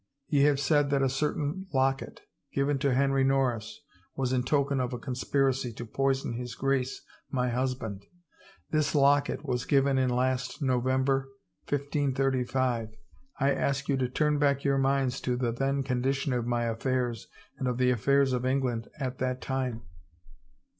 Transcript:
Ye have said that a certain locket, given to Henry Norris, was in token of a conspiracy to poison his Grace, my husband. This locket was given in last November, 1535. I ask you to turn back your minds to the then condition of my affairs and of the af fairs of England at that time.